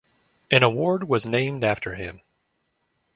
An award was named after him.